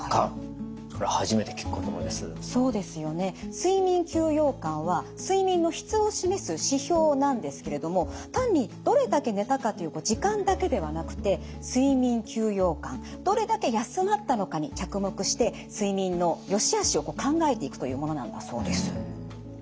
睡眠休養感は睡眠の質を示す指標なんですけれども単にどれだけ寝たかという時間だけではなくて睡眠休養感どれだけ休まったのかに着目して睡眠のよしあしを考えていくというものなんだそうです。